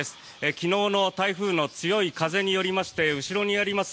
昨日の台風の強い風によりまして後ろにあります